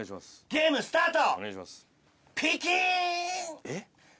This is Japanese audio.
ゲームスタート！